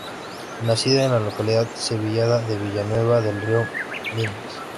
Nacida en la localidad sevillana de Villanueva del Río y Minas.